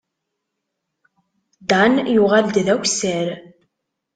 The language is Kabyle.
Dan yuɣal-d d akessar.